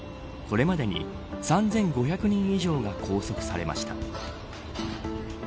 これまでに３５００人以上が拘束されました。